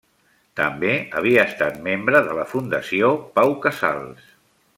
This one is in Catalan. També havia estat membre de la Fundació Pau Casals.